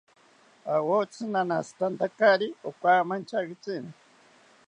Awotsi nanashitantakari okamanchakitzini